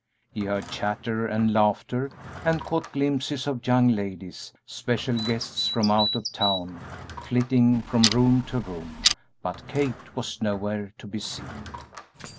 He heard chatter and laughter, and caught glimpses of young ladies special guests from out of town flitting from room to room, but Kate was nowhere to be seen.